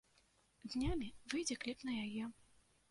Днямі выйдзе кліп на яе.